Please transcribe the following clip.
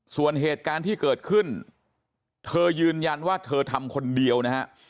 ส่วนเหตุการณ์ที่เกิดขึ้นเธอยืนยันว่าเธอทำคนเดียวนะฮะ